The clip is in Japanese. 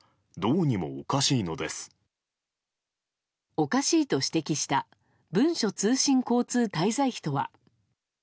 おかしいと指摘した文書通信交通滞在費とは。